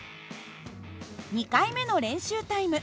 ２回目の練習タイム。